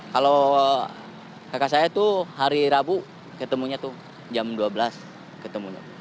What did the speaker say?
kalau kakak saya tuh hari rabu ketemunya tuh jam dua belas ketemu